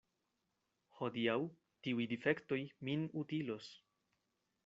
Hodiaŭ tiuj difektoj min utilos.